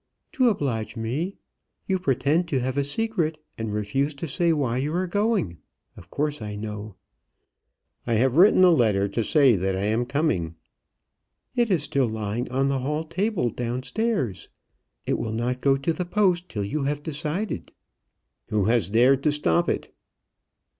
"To oblige me. You pretend to have a secret, and refuse to say why you are going. Of course I know." "I have written a letter to say that I am coming." "It is still lying on the hall table down stairs. It will not go to the post till you have decided." "Who has dared to stop it?"